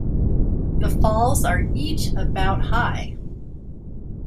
The falls are each about high.